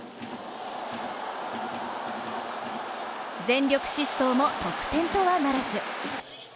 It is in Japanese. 全力疾走も得点とはならず。